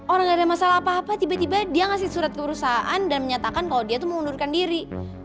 orang gak ada masalah apa apa tiba tiba dia ngasih surat ke perusahaan dan menyatakan kalau dia itu mengundurkan diri